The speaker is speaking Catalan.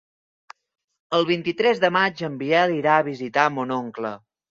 El vint-i-tres de maig en Biel irà a visitar mon oncle.